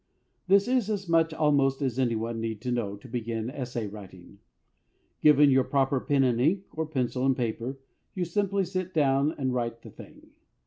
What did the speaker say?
This is as much almost as anyone need know to begin essay writing. Given your proper pen and ink, or pencil and paper, you simply sit down and write the thing.